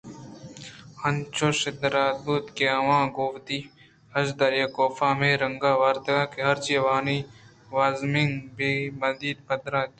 انچوش درا بوت کہ آواں گوں وتی ہژّاری ءَ کاف ہمے رنگ ءَ آورتگ کہ ہرچی ءَ آوانی وازمندگ بہ بیت ءُپدّراِنت